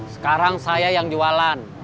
sekarang saya yang jualan